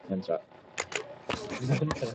I must have no hatred or bitterness towards anyone.